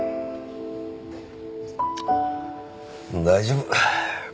大丈夫。